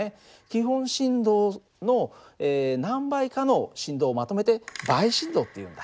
基本振動の何倍かの振動をまとめて倍振動っていうんだ。